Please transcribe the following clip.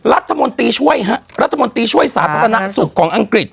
รัฐมนตรีช่วยฮะรัฐมนตรีช่วยสาธารณสุขของอังกฤษ